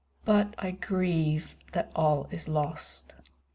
But I grieve that all is lost.